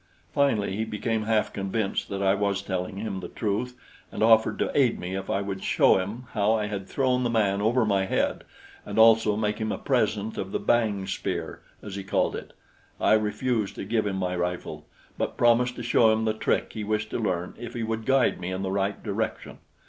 Finally he became half convinced that I was telling him the truth and offered to aid me if I would show him how I had thrown the man over my head and also make him a present of the "bang spear," as he called it. I refused to give him my rifle, but promised to show him the trick he wished to learn if he would guide me in the right direction.